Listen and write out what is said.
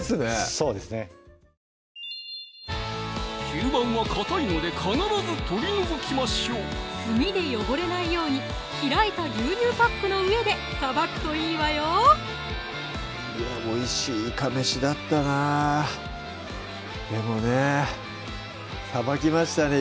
吸盤はかたいので必ず取り除きましょう墨で汚れないように開いた牛乳パックの上でさばくといいわよいやおいしい「いかめし」だったなでもねさばきましたね